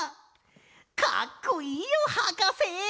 かっこいいよはかせ！